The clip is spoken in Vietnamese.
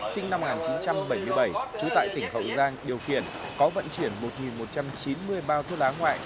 sinh năm một nghìn chín trăm bảy mươi bảy trú tại tỉnh hậu giang điều khiển có vận chuyển một một trăm chín mươi bao thuốc lá ngoại